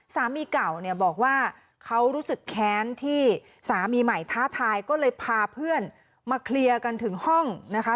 สามีเก่าเนี่ยบอกว่าเขารู้สึกแค้นที่สามีใหม่ท้าทายก็เลยพาเพื่อนมาเคลียร์กันถึงห้องนะคะ